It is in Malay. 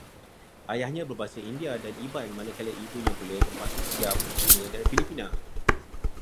Ayahnya berbangsa India dan Iban, manakala ibunya pula berbangsa Siam, Cina dan Filipina